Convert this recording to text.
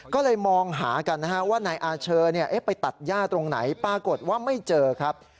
ก็เลยมองหากันนะฮะว่านายอาเชอไปตัดย่าตรงไหนปรากฏว่าไม่เจอครับ